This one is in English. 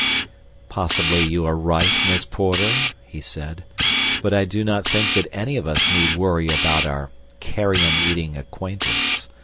"Possibly you are right, Miss Porter," he said, "but I do not think that any of us need worry about our carrion eating acquaintance.